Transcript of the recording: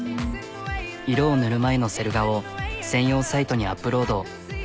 色を塗る前のセル画を専用サイトにアップロード。